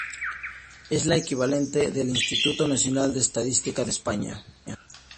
Es la equivalente del Instituto Nacional de Estadística de España.